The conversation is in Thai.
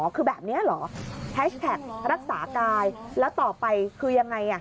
คือแบบนี้เหรอแฮชแท็กรักษากายแล้วต่อไปคือยังไง